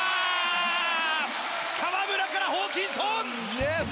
河村からホーキンソン！